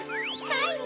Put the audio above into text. はい。